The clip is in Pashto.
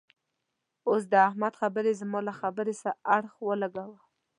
اوس د احمد خبرې زما له خبرې سره اړخ و لګاوو.